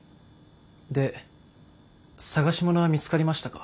で捜し物は見つかりましたか？